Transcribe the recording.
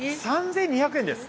３２００円です。